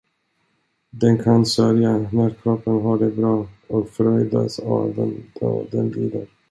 Den kan sörja, när kroppen har det bra, och fröjdas även då den lider.